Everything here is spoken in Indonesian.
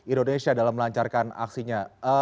indonesia dalam melancarkan aksinya